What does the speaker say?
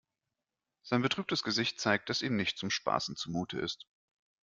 Sein betrübtes Gesicht zeigt, dass ihm nicht zum Spaßen zumute ist.